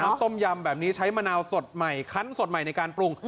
ต้มยำแบบนี้ใช้มะนาวสดใหม่คันสดใหม่ในการปรุง